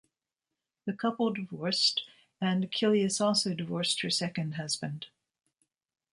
The couple divorced, and Kilius also divorced her second husband.